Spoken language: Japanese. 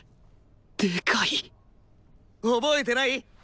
でかい覚えてない？